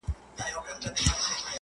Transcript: په لاسو کي د اغیار لکه پېلوزی!!